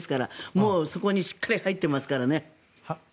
もう、そこにしっかり入ってますからね。